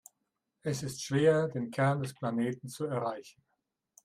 Es ist schwer, den Kern des Planeten zu erreichen.